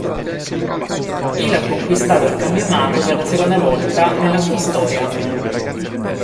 Il ha conquistato il campionato per la seconda volta nella sua storia.